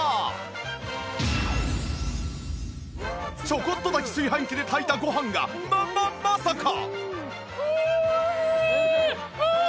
ちょこっと炊き炊飯器で炊いたご飯がまままさか！